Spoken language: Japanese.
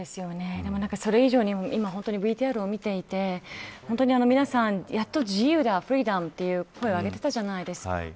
それ以上に、ＶＴＲを見ていて皆さん、やっと自由だフリーダムという声をあげていたじゃないですか。